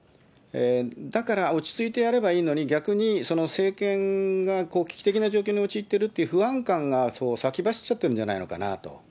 だから、落ち着いてやればいいのに、逆に政権が危機的な状況に陥ってるっていう不安感が先走っちゃってるんじゃないのかなと。